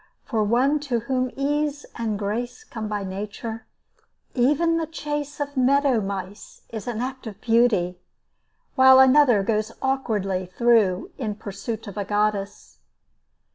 For one to whom ease and grace come by nature, even the chase of meadow mice is an act of beauty, while another goes awkwardly though in pursuit of a goddess.